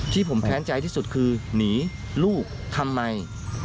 ที่ผมแค้นใจที่สุดคือหนีลูกทำไม